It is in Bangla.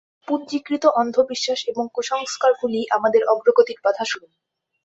পুঞ্জীকৃত অন্ধবিশ্বাস এবং কুসংস্কারগুলিই আমাদের অগ্রগতির বাধাস্বরূপ।